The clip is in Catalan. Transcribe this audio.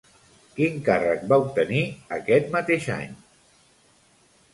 Quin càrrec va obtenir aquest mateix any?